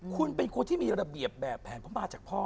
คุณเป็นคนที่มีระเบียบแบบแผนพระมาจากพ่อ